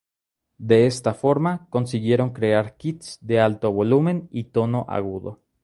De esta forma consiguieron crear kits de alto volumen y tono agudo.